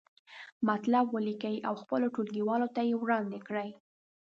مطلب ولیکئ او خپلو ټولګیوالو ته یې وړاندې کړئ.